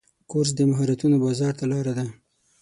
کورس د مهارتونو بازار ته لاره ده.